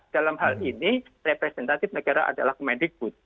dalam hal ini representatif negara adalah kemendikbud